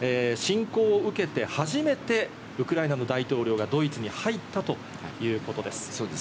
侵攻を受けて初めてウクライナの大統領がドイツに入ったということです。